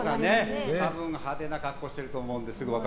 多分、派手な格好をしていると思うので。